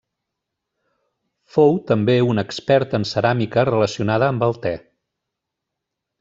Fou també un expert en ceràmica relacionada amb el te.